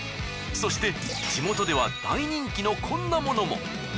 そして地元では大人気のこんなものも。